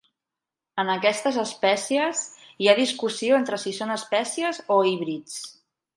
En aquestes espècies hi ha discussió entre si són espècies o híbrids.